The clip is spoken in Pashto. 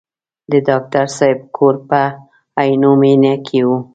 د ډاکټر صاحب کور په عینومېنه کې و.